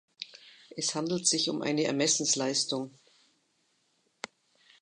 Es handelt sich um eine Ermessensleistung.